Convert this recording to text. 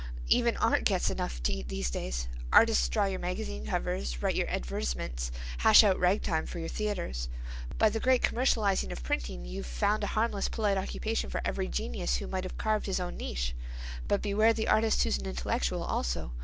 Even art gets enough to eat these days. Artists draw your magazine covers, write your advertisements, hash out rag time for your theatres. By the great commercializing of printing you've found a harmless, polite occupation for every genius who might have carved his own niche. But beware the artist who's an intellectual also.